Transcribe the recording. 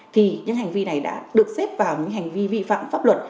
thì những hành vi này đã được xếp vào những hành vi vi phạm pháp luật